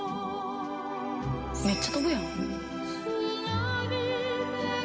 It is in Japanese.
めっちゃ飛ぶやん。